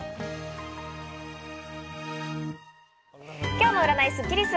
今日の占いスッキリす。